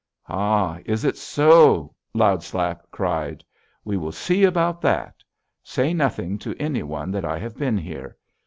"'Ha! Is it so!' Loud Slap cried. 'We will see about that! Say nothing to any one that I have been here.